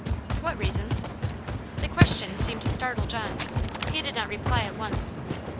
"What reasons?" The question seemed to startle John he did not reply at once.